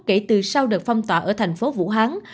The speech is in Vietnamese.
kể từ sau đợt phong tỏa ở thành phố vũ hán